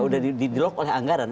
udah di delock oleh anggaran